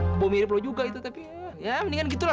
kebo mirip lo juga itu tapi ya mendingan gitu lah